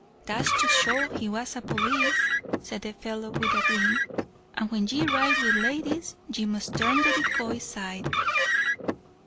"'That's to show he was a po lis," said the fellow with a grin; 'and when ye ride with ladies, ye must turn the decoy side.'